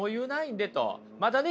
またね